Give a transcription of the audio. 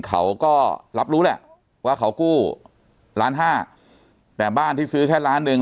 เขาก็รับรู้แหละว่าเขากู้ล้านห้าแต่บ้านที่ซื้อแค่ล้านหนึ่ง